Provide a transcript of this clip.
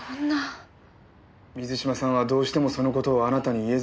水嶋さんはどうしてもその事をあなたに言えずにいました。